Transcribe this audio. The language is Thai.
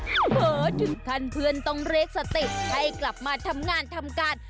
เผาถึงคันเพื่อนต้องเล็กสติให้กลับมาทำงานทำการ